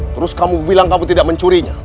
terus kamu bilang kamu tidak mencurinya